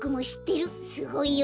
すごいよね。